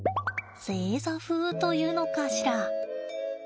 正座風というのかしら。